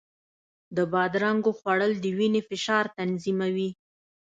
د بادرنګو خوړل د وینې فشار تنظیموي.